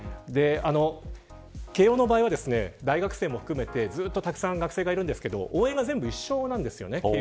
慶応の場合は、大学生も含めてたくさん学生がいるんですけど応援が全部一緒なんですよね。